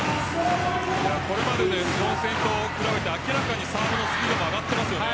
これまでで４戦と明らかにサーブのスピードも上がっていますよね。